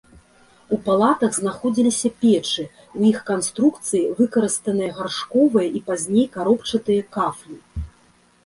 У палатах знаходзіліся печы, у іх канструкцыі выкарыстаныя гаршковыя і пазней каробчатыя кафлі.